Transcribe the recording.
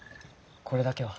これだけは。